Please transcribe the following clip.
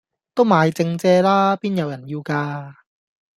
都賣剩蔗啦！邊有人要架